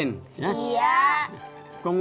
makanya quand samma